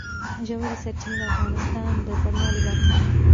ژورې سرچینې د افغانستان د بڼوالۍ برخه ده.